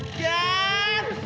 ih kurang ajar